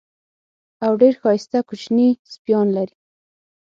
او ډېر ښایسته کوچني سپیان لري.